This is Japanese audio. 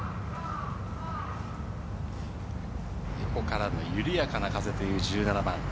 横からの緩やかな風という１７番。